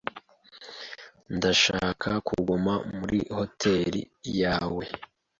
Ndashaka kuguma muri hoteri yawe.